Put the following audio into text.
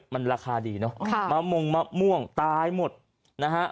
มันราคาดีเนอะค่ะมะมงมะม่วงตายหมดนะฮะ